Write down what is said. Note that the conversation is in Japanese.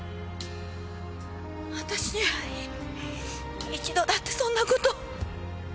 あたしには一度だってそんな事！